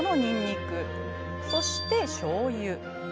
そしてしょうゆ。